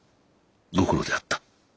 ご苦労であった。